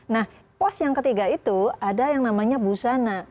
nah pos yang ketiga itu ada yang namanya busana